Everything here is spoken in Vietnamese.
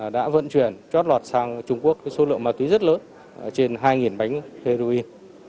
đã vận chuyển chót lọt sang trung quốc số lượng ma túy rất lớn trên hai bánh heroin